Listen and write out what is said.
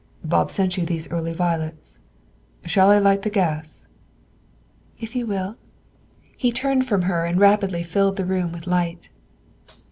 "Bob sent you these early violets. Shall I light the gas?" "If you will." He turned from her and rapidly filled the room with light.